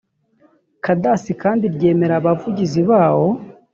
cadas kandi ryemera abavugizi bawo